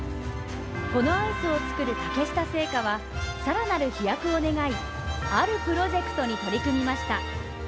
このアイスを作る竹下製菓は更なる飛躍を願いあるプロジェクトに取り組みました。